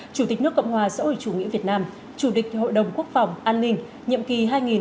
chủ tịch nước cộng hòa sở hữu chủ nghĩa việt nam chủ tịch hội đồng quốc phòng an ninh nhiệm kỳ hai nghìn hai mươi một hai nghìn hai mươi sáu